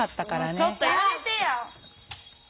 ちょっとやめてよ。